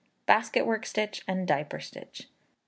Basket work Stitch and Diaper Stitch.